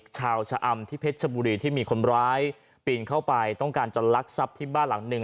ชะอำที่เพชรชบุรีที่มีคนร้ายปีนเข้าไปต้องการจะลักทรัพย์ที่บ้านหลังหนึ่ง